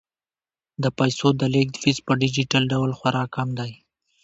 د پيسو د لیږد فیس په ډیجیټل ډول خورا کم دی.